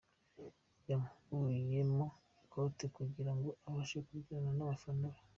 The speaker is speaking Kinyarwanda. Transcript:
Yakuyemo ikote kugirango abashe kubyinana n’ abafana be